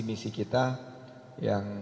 misi kita yang